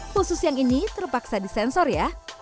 khusus yang ini terpaksa disensor ya